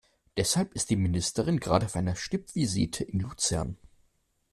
Deshalb ist die Ministerin gerade auf einer Stippvisite in Luzern.